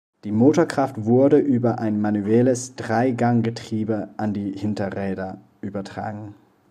Die Motorkraft wurde über ein manuelles Dreiganggetriebe an die Hinterräder übertragen.